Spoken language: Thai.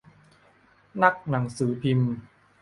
นักหนังสือพิมพ์